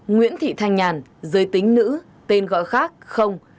nguyễn thị thanh nhàn giới tính nữ tên gọi khác không